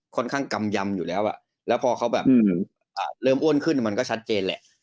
ค่อนข้างกำยำอยู่แล้วแล้วพอเขาแบบเริ่มอ้วนขึ้นมันก็ชัดเจนแหละ